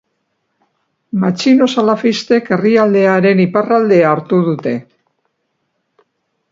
Matxino salafistek herrialdearen iparraldea hartu dute.